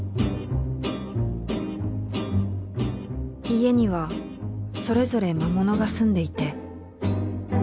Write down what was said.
家にはそれぞれ魔物が住んでいて。